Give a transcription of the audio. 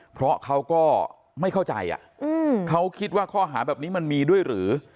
เพราะเขาก็ไม่เข้าใจเขาคิดว่าข้อหาแบบนี้มันมีด้วยหรือ